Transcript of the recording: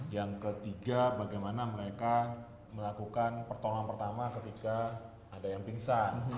yang ketiga bagaimana mereka melakukan pertolongan pertama ketika ada yang pingsan